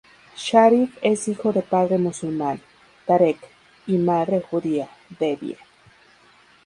Sharif es hijo de padre musulmán, Tarek, y madre judía, Debbie.